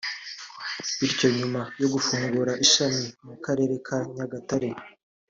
bityo nyuma yo gufungura ishami mu karere ka Nyagatare